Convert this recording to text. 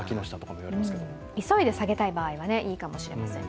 急いで下げたい場合はいいかもしれません。